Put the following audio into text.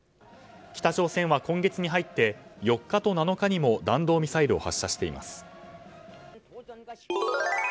北朝鮮は今月に入って４日と７日にも弾道ミサイルを発射しています。